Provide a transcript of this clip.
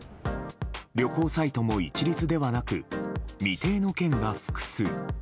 旅行サイトも一律ではなく未定の県が複数。